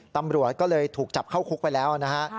ตำรวจก็เลยถูกจับเข้าคุกไปแล้วนะฮะ